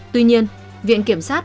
tuy nhiên viện kiểm sát